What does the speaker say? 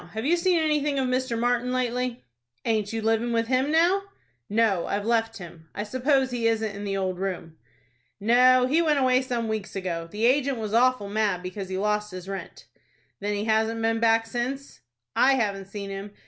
Have you seen anything of Mr. Martin, lately?" "Aint you living with him now?" "No, I've left him. I suppose he isn't in the old room." "No, he went away some weeks ago. The agent was awful mad because he lost his rent." "Then he hasn't been back since?" "I haven't seen him.